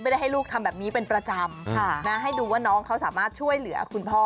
ได้ให้ลูกทำแบบนี้เป็นประจำให้ดูว่าน้องเขาสามารถช่วยเหลือคุณพ่อ